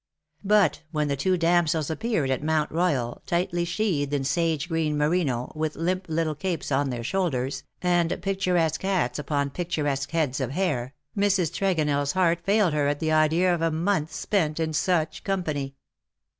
But when the two damsels appeared at Mount Royal tightly sheathed in sage green merino, with limp little capes on their shoulders, and pic turesque hats upon picturesque heads of hair, Mrs. Tregon ell's heart failed her at the idea of a month spent in such company.